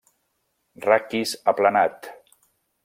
Raquis aplanat.